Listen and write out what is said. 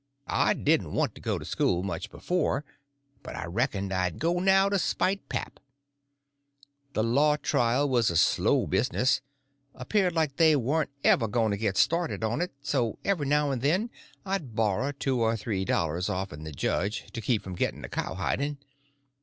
I didn't want to go to school much before, but I reckoned I'd go now to spite pap. That law trial was a slow business—appeared like they warn't ever going to get started on it; so every now and then I'd borrow two or three dollars off of the judge for him, to keep from getting a cowhiding.